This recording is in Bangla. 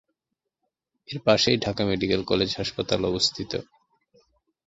এর পাশেই ঢাকা মেডিকেল কলেজ হাসপাতাল অবস্থিত।